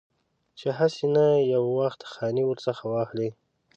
چې هسې نه یو وخت خاني ورڅخه واخلي.